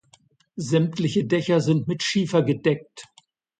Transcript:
Sämtliche Dächer sind mit Schiefer gedeckt.